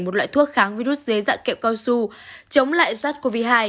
một loại thuốc kháng virus dưới dạng kẹo cao su chống lại sars cov hai